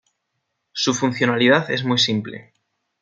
Su funcionalidad es muy simple.